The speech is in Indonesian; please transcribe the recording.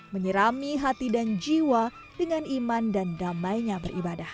menyirami hati dan jiwa dengan iman dan damainya beribadah